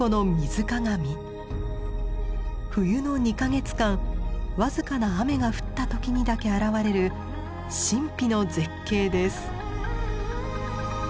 冬の２か月間僅かな雨が降った時にだけ現れる神秘の絶景です。